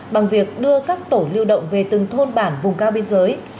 bằng việc đưa các tổ lưu động về từng thôn bản vùng cao biên giới